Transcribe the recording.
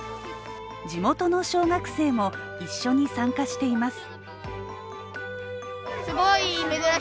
地元の小学生も一緒に参加しています。